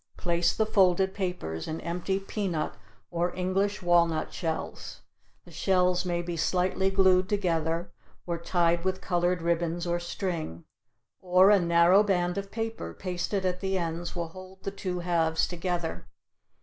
Place the folded papers in empty peanut or English walnut shells; the shells may be slightly glued together or tied with colored ribbons or string, or a narrow band of paper pasted at the ends will hold the two halves together.